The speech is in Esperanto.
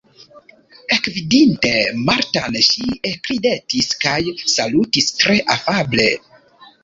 Ekvidinte Martan, ŝi ekridetis kaj salutis tre afable.